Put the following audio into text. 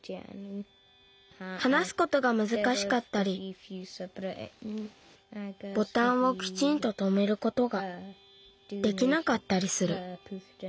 はなすことがむずかしかったりボタンをきちんととめることができなかったりする。